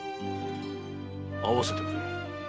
会わせてくれ。